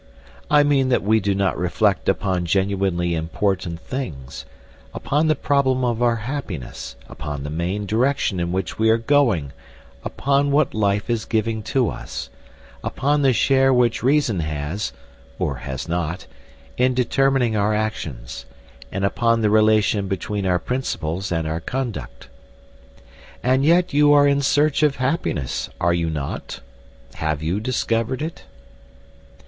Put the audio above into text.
I mean that we do not reflect upon genuinely important things; upon the problem of our happiness, upon the main direction in which we are going, upon what life is giving to us, upon the share which reason has (or has not) in determining our actions, and upon the relation between our principles and our conduct. And yet you are in search of happiness, are you not? Have you discovered it?